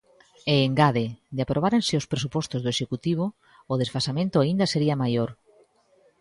E engade: de aprobárense os presupostos do Executivo, o desfasamento aínda sería maior.